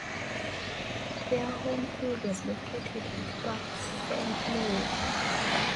Their home field was located at Parc St Laurent.